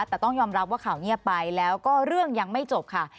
แต่ต้องยอมรับว่าข่าวเงียบไปแล้วก็เรื่องยังไม่จบค่ะ